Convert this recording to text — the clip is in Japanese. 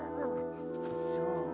そう？